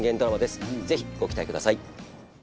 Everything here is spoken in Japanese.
ぜひご期待ください。